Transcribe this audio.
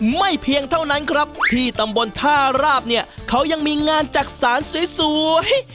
เพียงเท่านั้นครับที่ตำบลท่าราบเนี่ยเขายังมีงานจักษานสวย